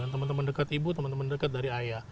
teman teman dekat ibu teman teman dekat dari ayah